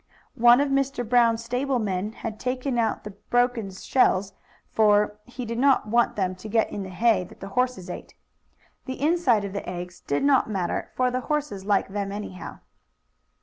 One of Mr. Brown's stable men had taken out the broken shells, for he did not want them to get in the hay that the horses ate. The inside of the eggs did not matter, for horses like them anyhow.